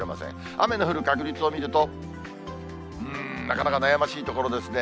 雨の降る確率を見ると、なかなか悩ましいところですね。